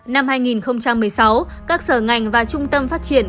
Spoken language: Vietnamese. năm hai nghìn một mươi sáu các sở ngành và trung tâm phát triển